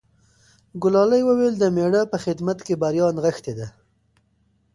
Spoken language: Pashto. ګلالۍ وویل چې د مېړه په خدمت کې بریا نغښتې ده.